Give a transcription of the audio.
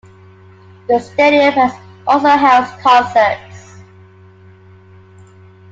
The stadium has also held concerts.